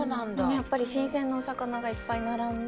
やっぱり新鮮なお魚がいっぱい並んで。